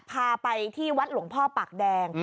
พาไปที่วัดหลวงพ่อปากแดง